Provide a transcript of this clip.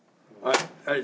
はい。